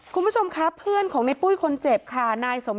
คุณผู้ชมครับเพื่อนของในปุ้ยคนเจ็บค่ะนายสม